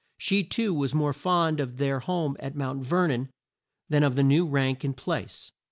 She, too, was more fond of their home at Mount Ver non than of the new rank and place.